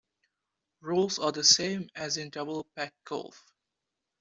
Rules are the same as in double-pack golf.